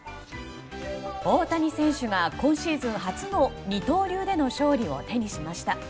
大谷選手が今シーズン初の二刀流での勝利を手にしました。